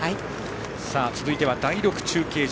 続いては第６中継所。